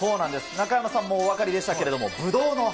中山さんもお分かりでしたけれども、ぶどうの葉。